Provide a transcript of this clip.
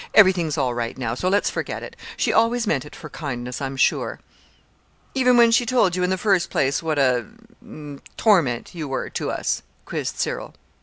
"Everything's all right now, so let's forget it. She always meant it for kindness, I'm sure." "Even when she told you in the first place what a er torment you were to us?" quizzed Cyril.